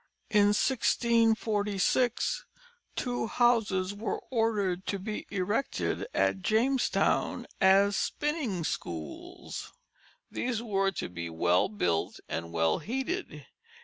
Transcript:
In 1646 two houses were ordered to be erected at Jamestown as spinning schools. These were to be well built and well heated.